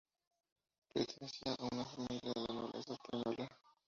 Pertenecía a una familia de la nobleza española.